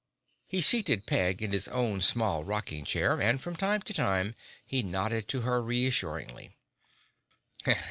He seated Peg in his own small rocking chair and from time to time he nodded to her reassuringly.